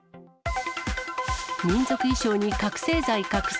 民族衣装に覚醒剤隠す。